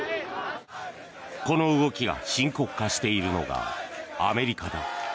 この動きが深刻化しているのがアメリカだ。